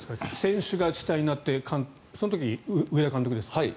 選手が主体になってその時、上田監督ですか。